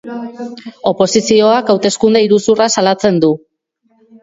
Oposizioak hauteskunde iruzurra salatzen du.